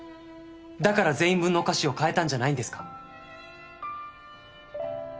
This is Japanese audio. だから全員分のお菓子を変えたんじゃないんですか？